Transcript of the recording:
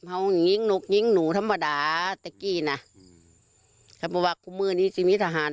เขายิงนกยิงหนูธรรมดาเต็กกี้น่ะคือบ่าคุณมือนี้ชีวิตทหาร